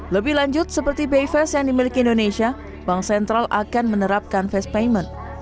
lebih lanjut seperti bi fast yang dimiliki indonesia bank sentral akan menerapkan fast payment